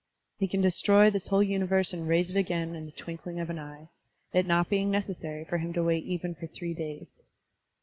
He can destroy this whole tmiverse and raise it again in the twinkling of an eye, it not being necessary for him to wait even for three days.